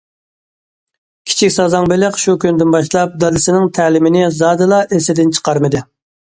كىچىك سازاڭ بېلىق شۇ كۈندىن باشلاپ دادىسىنىڭ تەلىمىنى زادىلا ئېسىدىن چىقارمىدى.